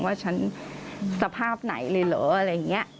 ว่าฉันสภาพไหนเลยเหรออะไรอย่างนี้